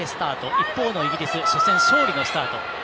一方のイギリス初戦勝利のスタート。